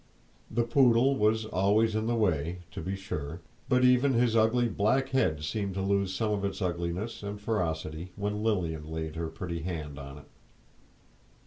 The poodle was always in the way, to be sure, but even his ugly black head seemed to lose some of its ugliness and ferocity when Lilian laid her pretty hand on it.